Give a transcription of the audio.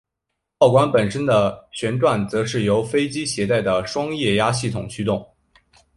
炮管本身的旋转则是由飞机携带的双液压系统驱动。